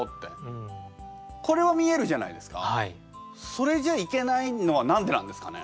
それじゃいけないのは何でなんですかね？